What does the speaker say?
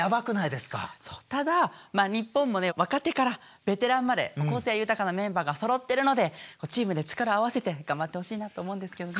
ただ日本も若手からベテランまで個性豊かなメンバーがそろってるのでチームで力を合わせて頑張ってほしいなと思うんですけどね。